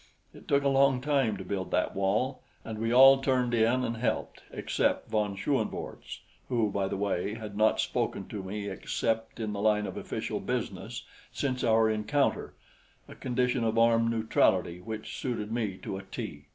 It took a long time to build that wall, and we all turned in and helped except von Schoenvorts, who, by the way, had not spoken to me except in the line of official business since our encounter a condition of armed neutrality which suited me to a T.